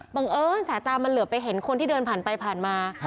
บังเอิญสายตามันเหลือไปเห็นคนที่เดินผ่านไปผ่านมา